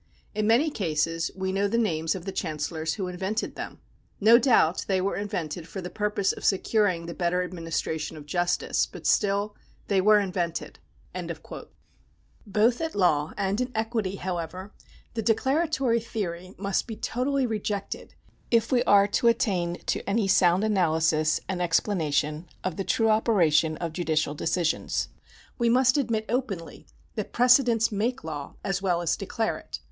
In many cases we know the names of the Chancellors who invented them. No doubt they were invented for the purpose of securing the better administration of justice, but still they were invented." ^ Both at law and in equity, however, the declaratory theory must be totally rejected if we are to attain to any sound analj^sis and explanation of the true operation of judicial decisions. We must admit openly that precedents make law as well as declare it.